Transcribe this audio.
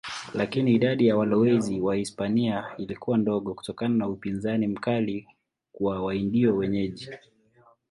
Lakini idadi ya walowezi Wahispania ilikuwa ndogo kutokana na upinzani mkali wa Waindio wenyeji.